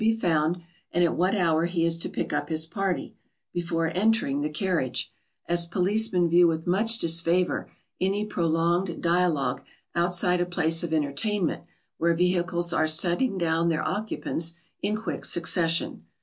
] be found, and at what hour he is to pick up his party, before entering the carriage, as policemen view with much disfavour any prolonged dialogue outside a place of entertainment where vehicles are setting down their occupants in quick succession.